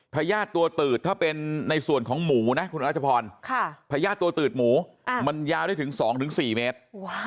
พญาติตัวตืดถ้าเป็นในส่วนของหมูนะคุณรัชพรพญาติตัวตืดหมูมันยาวได้ถึง๒๔เมตร